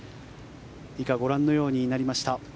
以下ご覧のようになりました。